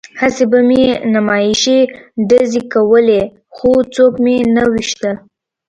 هسې به مې نمایشي ډزې کولې خو څوک مې نه ویشتل